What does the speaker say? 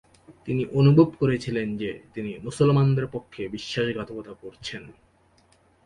তিনি অনুভব করেছিলেন যে তিনি "মুসলমানদের পক্ষে বিশ্বাসঘাতকতা করছেন"।